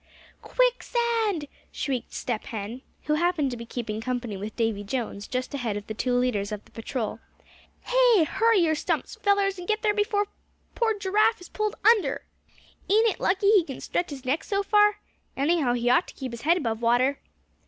"QUICKSAND!" shrieked Step Hen, who happened to be keeping company with Davy Jones just ahead of the two leaders of the patrol. "Hey! hurry your stumps, fellers, and get there before poor Giraffe is pulled under. Ain't it lucky he c'n stretch his neck so far? Anyhow he ought to keep his head above water."